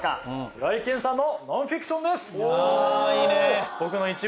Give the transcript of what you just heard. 平井堅さんの『ノンフィクション』です。